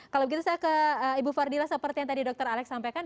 kalau begitu saya ke ibu fardila seperti yang tadi dokter alex sampaikan